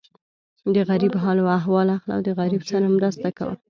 د غریب حال احوال اخله او د غریب سره مرسته کوه.